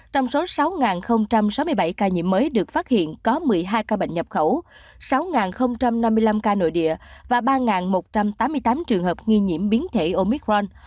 trong số sáu sáu mươi bảy ca nhiễm mới được phát hiện có một mươi hai ca bệnh nhập khẩu sáu năm mươi năm ca nội địa và ba một trăm tám mươi tám trường hợp nghi nhiễm biến thể omicron